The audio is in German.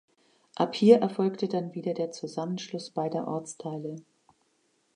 Ab hier erfolgte dann wieder der Zusammenschluss beider Ortsteile.